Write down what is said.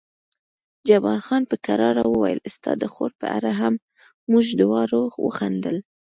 جبار خان په کرار وویل ستا د خور په اړه هم، موږ دواړو وخندل.